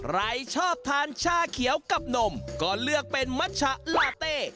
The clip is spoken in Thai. ใครชอบทานชาเขียวกับนมก็เลือกเป็นมัชชะลาเต้